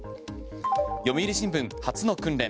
読売新聞、初の訓練。